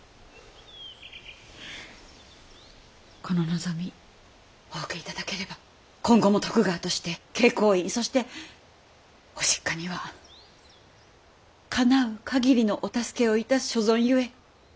この望みお受け頂ければ今後も徳川として慶光院そしてご実家にはかなう限りのお助けをいたす所存ゆえ。